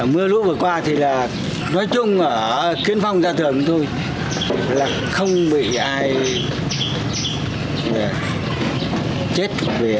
mưa lũ vừa qua thì là nói chung kiến phong ra thường thôi là không bị ai chết